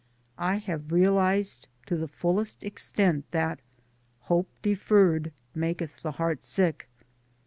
I have realized to the fullest extent that ''Hope deferred maketh the heart sick."